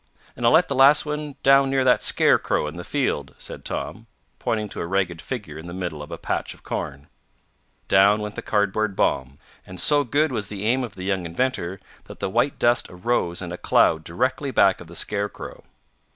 "And I'll let the last one down near that scarecrow in the field," said Tom, pointing to a ragged figure in the middle of a patch of corn. Down went the cardboard bomb, and so good was the aim of the young inventor that the white dust arose in a cloud directly back of the scarecrow.